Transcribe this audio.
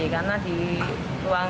karena di ruang